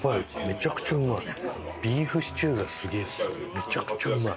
めちゃくちゃうまい。